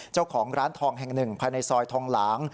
เจ้าของร้านทองแห่งหนึ่งภายในซอยทองหลาง